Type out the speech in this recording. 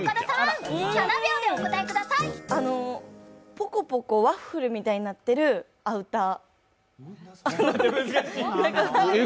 ぽこぽこワッフルみたいになってるアウター